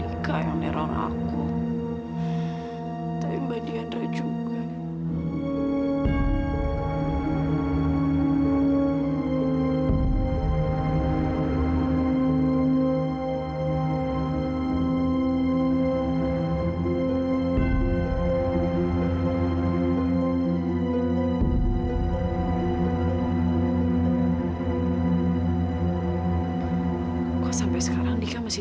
itu kanimana tuh di narratives tempat tradisi